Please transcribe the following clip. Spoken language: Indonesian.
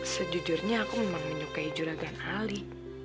sejujurnya aku memang menyukai juragan ali